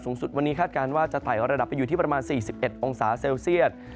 สุดวันนี้คาดการณ์ว่าจะไต่ระดับไปอยู่ที่ประมาณ๔๑องศาเซลเซียต